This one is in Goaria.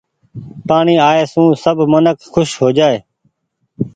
پآڻيٚ آئي سون سب منک کوس هو جآئي ۔